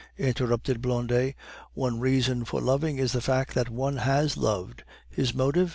interrupted Blondet, "one reason for loving is the fact that one has loved. His motive?